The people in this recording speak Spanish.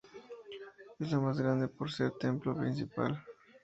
Es la más grande por ser el templo principal.